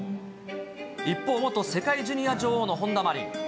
一方、元世界ジュニア女王の本田真凜。